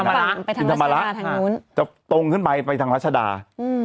ไปทางภาคไปทางราชดาทางนู้นจะตรงขึ้นไปไปทางราชดาอืม